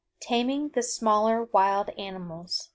TAMING THE SMALLER WILD ANIMALS.